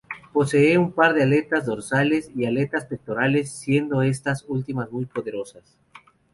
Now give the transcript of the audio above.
Posee un par de aletas dorsales y aletas pectorales, siendo estas últimas muy poderosas.